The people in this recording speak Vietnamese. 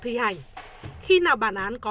thi hành khi nào bản án có